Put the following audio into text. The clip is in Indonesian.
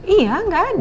iya gak ada